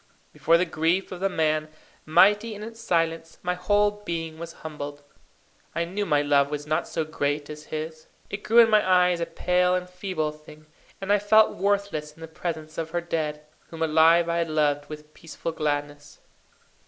Before the grief of the man, mighty in its silence, my whole being was humbled. I knew my love was not so great as his. It grew in my eyes a pale and feeble thing; and I felt worthless in the presence of her dead, whom alive I had loved with peaceful gladness.